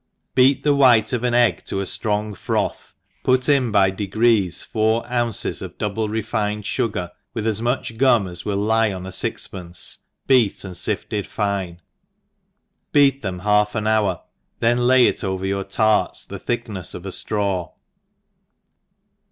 BEAT the white of an egg to a flrong froth, put in by degrees four ounces of double refined fugar, with as much gum as will lie on a fix pence, beat and fifted fine, beat them half an hour, then lay it over your tarts the thicknefs of a ftraw.